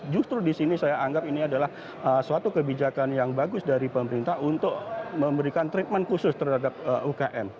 justru di sini saya anggap ini adalah suatu kebijakan yang bagus dari pemerintah untuk memberikan treatment khusus terhadap ukm